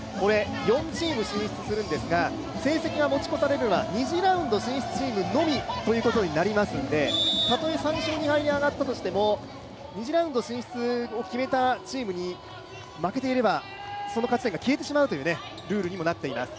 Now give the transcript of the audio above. ４チーム進出するんですが、成績が持ち越されるのは２次ラウンド進出チームのみということになりますのでたとえ３勝２敗で上がったとしても２次ラウンド進出を決めたチームに負けていれば、その勝ち点が消えてしまうというルールになっています。